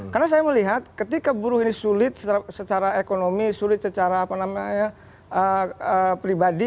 karena saya melihat ketika buruh ini sulit secara ekonomi sulit secara apa namanya pribadi gitu